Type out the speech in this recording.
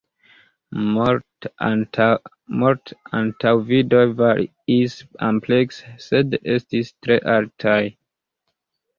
Mort-antaŭvidoj variis amplekse, sed estis tre altaj.